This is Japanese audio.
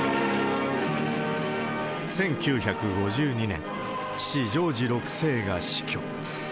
１９５２年、父、ジョージ６世が死去。